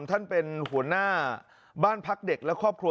ท่านเป็นหัวหน้าบ้านพักเด็กและครอบครัว